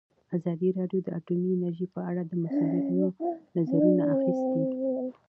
ازادي راډیو د اټومي انرژي په اړه د مسؤلینو نظرونه اخیستي.